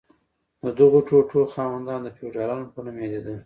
د دغو ټوټو خاوندان د فیوډالانو په نوم یادیدل.